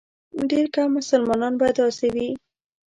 ډېر کم مسلمانان به داسې وي.